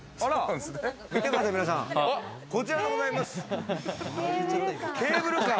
皆さん、こちらでございます。